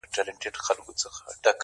• هغه د صحنې له وضعيت څخه حيران ښکاري..